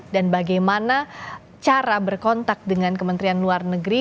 dan bagaimana cara berkontak dengan kementerian luar negeri